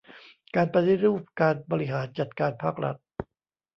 การปฏิรูปการบริหารจัดการภาครัฐ